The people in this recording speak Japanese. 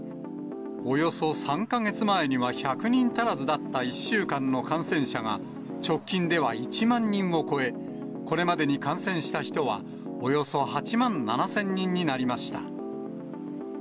およそ３か月前には１００人足らずだった１週間の感染者が、直近では１万人を超え、これまでに感染した人は、およそ８万７０００人になりました。